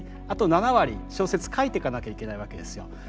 あと７割小説書いてかなきゃいけないわけですよ。